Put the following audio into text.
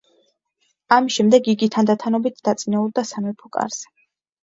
ამის შემდეგ იგი თანდათანობით დაწინაურდა სამეფო კარზე.